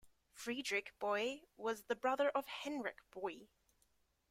Friedrich Boie was the brother of Heinrich Boie.